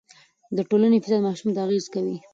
د ټولګي فضا ماشوم ته اغېز کوي.